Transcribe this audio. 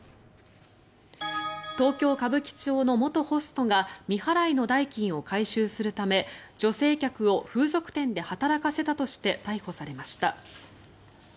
東京・歌舞伎町の元ホストが未払いの代金を回収するため女性客を風俗店で働かせたとして逮捕されました。